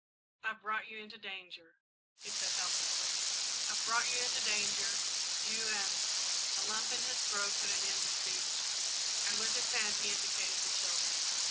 "I've brought you into danger," he said helplessly, "I've brought you into danger, you and " A lump in his throat put an end to speech, and with his hand he indicated the children.